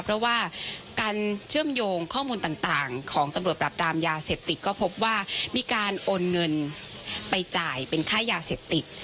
เพราะว่าการเชื่อมโยงข้อมูลต่างของตำรวจปรับรามยาเสพติดก็พบว่ามีการโอนเงินไปจ่ายเป็นค่ายาเสพติด